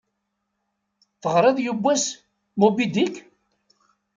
Teɣṛiḍ yewwas "Moby Dick"?